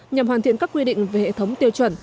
nhằm hoàn thiện các quy định về hệ thống tiêu chuẩn